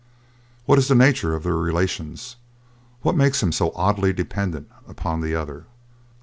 "What is the nature of their relations; what makes him so oddly dependent upon the other?"